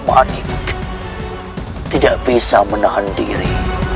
manik tidak bisa menahan diri